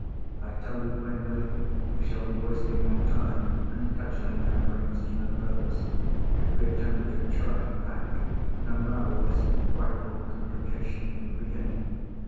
I tell you plainly, we shall be wasting our time, and cudgelling our brains to no purpose, if we attempt to try back, and unravel this frightful complication from the beginning.